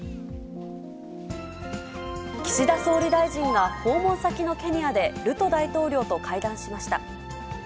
岸田総理大臣が訪問先のケニアで、ルト大統領と会談しました。